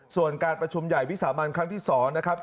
ส่วนการประชุมใหญ่วิสามันครั้งที่๒นะครับ